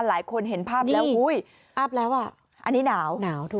หลายคนเห็นภาพแล้วอุ้ยอัพแล้วอ่ะอันนี้หนาวหนาวถูก